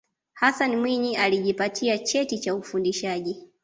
hassan mwinyi alijipatia cheti cha ufundishaji